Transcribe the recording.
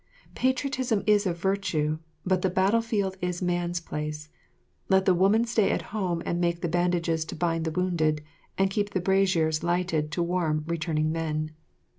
Patriotism is a virtue, but the battle field is man's place. Let the women stay at home and make the bandages to bind the wounded, and keep the braziers lighted to warm returning men.